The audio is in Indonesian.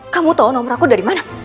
kamu tau nomer aku dari mana